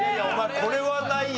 これはないよ。